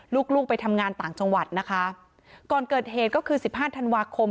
ลูกลูกไปทำงานต่างจังหวัดนะคะก่อนเกิดเหตุก็คือสิบห้าธันวาคม